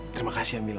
terima kasih ya mila